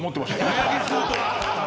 値上げすると。